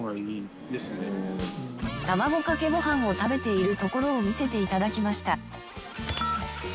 卵かけご飯を食べているところを見せていただきました。